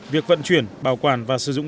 việc vận chuyển bảo quản và sử dụng